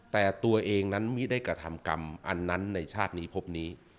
แต่ตัวเองนั้นไม่ได้กระทำกรรมอันนั้นในชาตินี้พบนี้